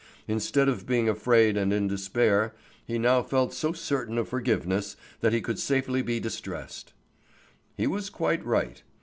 Instead of being afraid and in despair, he now felt so certain of forgiveness that he could safely be distressed. He was quite right.